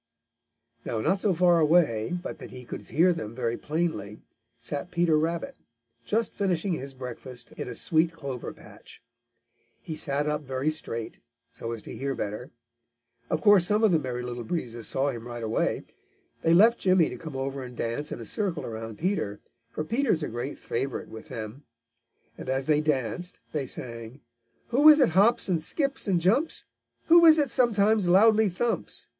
Now not so far away but that he could hear them very plainly sat Peter Rabbit, just finishing his breakfast in a sweet clover patch. He sat up very straight, so as to hear better. Of course some of the Merry Little Breezes saw him right away. They left Jimmy to come over and dance in a circle around Peter, for Peter is a great favorite with them. And as they danced they sang: "Who is it hops and skips and jumps? Who is it sometimes loudly thumps?